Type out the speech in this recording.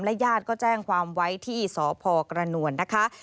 ญาติก็แจ้งความไว้ที่สพกระนวลนะคะ